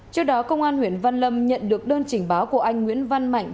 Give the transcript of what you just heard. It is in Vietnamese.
trước đó công an huyện văn lâm nhận được đơn trình báo của anh nguyễn văn mạnh